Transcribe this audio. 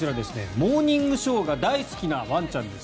「モーニングショー」が大好きなワンちゃんです。